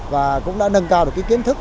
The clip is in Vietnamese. và cũng đã nâng cao được cái kiến thức